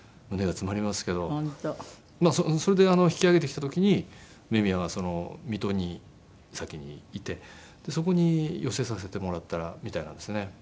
それで引き揚げてきた時に梅宮が水戸に先にいてそこに寄せさせてもらったみたいなんですね。